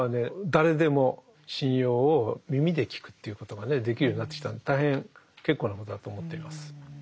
誰でも神謡を耳で聞くということがねできるようになってきたので大変結構なことだと思っています。